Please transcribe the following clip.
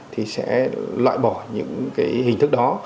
thì sẽ loại bỏ những hình thức đó